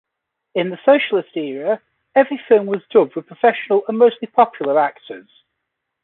In the socialist era, every film was dubbed with professional and mostly popular actors.